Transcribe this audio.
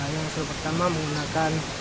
yang pertama menggunakan